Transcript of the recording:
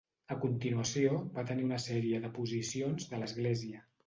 A continuació, va tenir una sèrie de posicions de l'església.